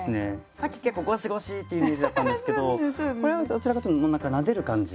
さっき結構ごしごしってイメージだったんですけどこれはどちらかというともう何かなでる感じ。